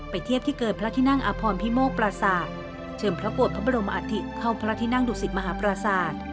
เทียบที่เกินพระที่นั่งอพรพิโมกปราศาสตร์เชิมพระโกรธพระบรมอัฐิเข้าพระที่นั่งดุสิตมหาปราศาสตร์